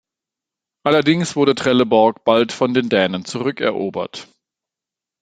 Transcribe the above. Allerdings wurde Trelleborg bald von den Dänen zurückerobert.